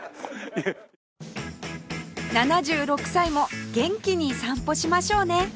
７６歳も元気に散歩しましょうね